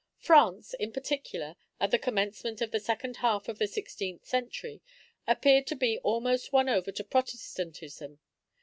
France, in particular, at the commencement of the second half of the sixteenth century, appeared to be almost won over to Protestantism.